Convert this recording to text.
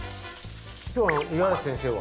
今日は五十嵐先生は？